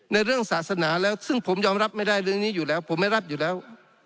เรื่องศาสนาแล้วซึ่งผมยอมรับไม่ได้เรื่องนี้อยู่แล้วผมไม่รับอยู่แล้ว